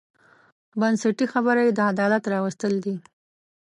بنسټي خبره یې د عدالت راوستل دي.